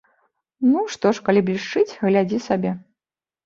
Ну што ж, калі блішчыць, глядзі сабе.